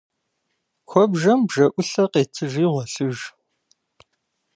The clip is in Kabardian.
Куэбжэм бжэӏулъэ къетыжи гъуэлъыж.